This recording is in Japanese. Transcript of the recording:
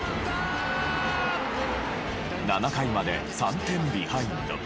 ７回まで３点ビハインド。